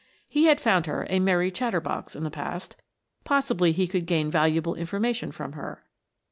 He had found her a merry chatter box in the past, possibly he could gain valuable information from her.